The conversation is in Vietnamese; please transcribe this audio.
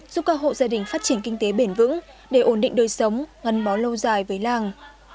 giúp các hộ gia đình phát triển kinh tế bền vững để ổn định đời sống ngăn bó lâu dài với làng